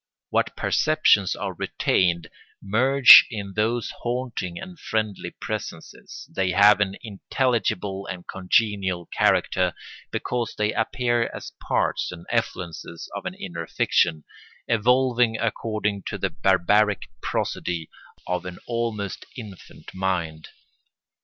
What perceptions are retained merge in those haunting and friendly presences, they have an intelligible and congenial character because they appear as parts and effluences of an inner fiction, evolving according to the barbaric prosody of an almost infant mind.